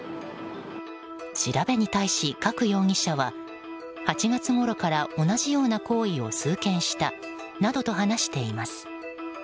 調べに対し、加久容疑者は８月ごろから同じような行為を数件したなどと話しています。